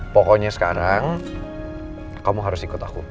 pokoknya sekarang kamu harus ikut aku